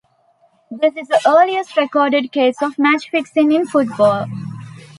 This is the earliest recorded case of match fixing in football.